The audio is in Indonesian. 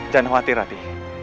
jangan khawatir rati